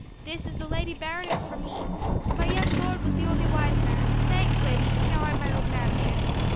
This is the Lady Baroness for me! My young lord was the only wise man! Thanks, lady; now am I my own man again.